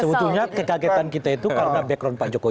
sebetulnya kekagetan kita itu kalau enggak background pak jokowi